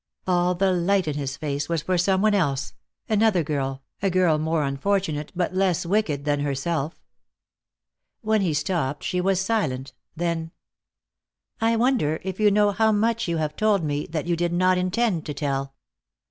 All the light in his face was for some one else, another girl, a girl more unfortunate but less wicked than herself. When he stopped she was silent. Then: "I wonder if you know how much you have told me that you did not intend to tell?"